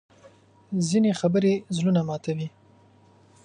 ځینې خبرې زړونه ماتوي